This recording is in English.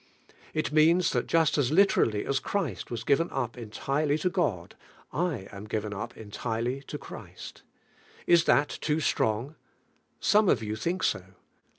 It means that just aa literally as Christ was Riven up entirely to God, I am given up entirely to Christ Is that too strong? Some of you think so.